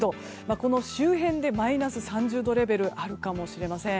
この周辺でマイナス３０度レベルあるかもしれません。